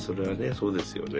そうですよね。